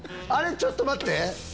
ちょっと待って。